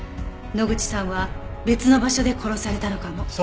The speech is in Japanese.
野口さんは別の場所で殺されたのかも。